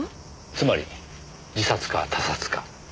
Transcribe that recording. つまり自殺か他殺か。